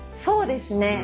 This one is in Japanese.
そうですね。